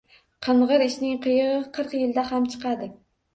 Qing`ir ishning qiyig`i qirq yilda ham chiqadi